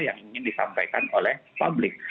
yang ingin disampaikan oleh publik